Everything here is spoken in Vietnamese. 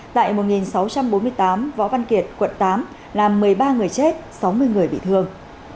tại một sáu trăm bốn mươi tám võ văn kiệt quận tám làm một mươi ba người chết sáu mươi người bị thương